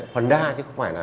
hoàn đa chứ không phải là